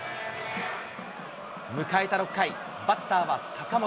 迎えた６回、バッターは坂本。